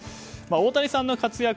大谷さんの活躍